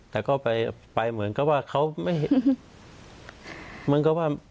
แต่ก็ไปเหมือนกับว่าเขาไม่เหมือนกับว่า